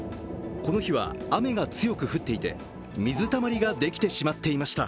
この日は雨が強く降っていて水たまりができてしまっていました。